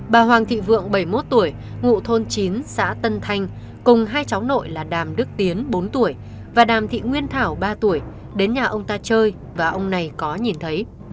bà hoàng thị vượng bảy mươi một tuổi ngụ thôn chín xã tân thanh cùng hai cháu nội là đàm đức tiến bốn tuổi và đàm thị nguyên thảo ba tuổi đến nhà ông ta chơi và ông này có nhìn thấy